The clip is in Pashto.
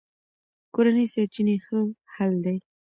کورني سرچینې ښه حل دي.